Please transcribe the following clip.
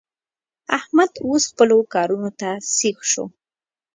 احمد اوس خپلو کارو ته سيخ شو.